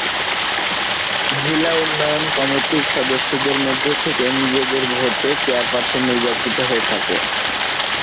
জেলা উন্নয়ন কমিটির সদস্যদের মধ্য থেকে নিজেদের ভোটে চেয়ারপার্সন নির্বাচিত হয়ে থাকে।